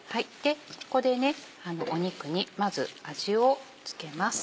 ここで肉にまず味を付けます。